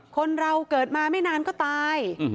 คนเราเกิดมาไม่นานก็ตาย